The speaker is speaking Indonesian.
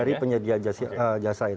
dari penyedia jasa itu